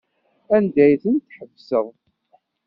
Anda ay tent-tḥebseḍ?